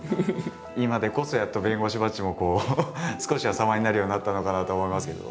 今でこそやっと弁護士バッジもこう少しは様になるようになったのかなと思いますけど。